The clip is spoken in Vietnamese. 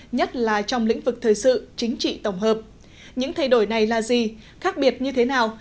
nhất là trong lĩnh vực thời sự chính trị tổng hợp những thay đổi này là gì khác biệt như thế nào